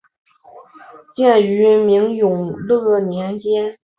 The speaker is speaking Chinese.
建于明永乐年间。